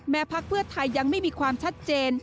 พักเพื่อไทยยังไม่มีความชัดเจน